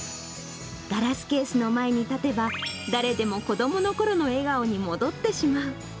ガラスケースの前に立てば、誰でも子どものころの笑顔に戻ってしまう。